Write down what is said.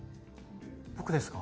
僕ですか？